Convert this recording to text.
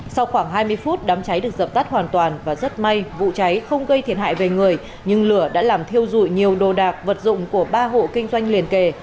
sau khoảng hai mươi phút đám cháy được dập tắt hoàn toàn và rất may vụ cháy không gây thiệt hại về người nhưng lửa đã làm thiêu dụi nhiều đồ đạc vật dụng của ba hộ kinh doanh liền kề